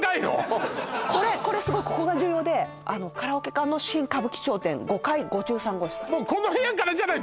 これこれすごいここが重要でカラオケ館の新・歌舞伎町店５階５３号室